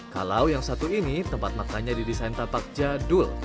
kalau yang satu ini tempat makannya didesain tapak jadul